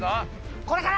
これかな？